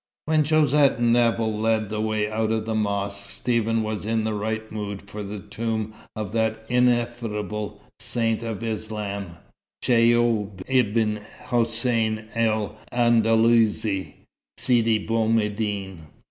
When Josette and Nevill led the way out of the mosque, Stephen was in the right mood for the tomb of that ineffable saint of Islam, Shaoib ibn Husain el Andalousi, Sidi Bou Medine.